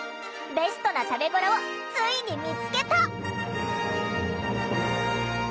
ベストな食べごろをついに見つけた！